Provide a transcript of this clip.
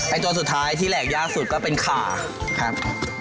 ตัวสุดท้ายที่แหลกยากสุดก็เป็นขาครับ